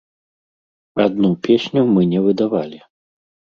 Адну песню мы не выдавалі.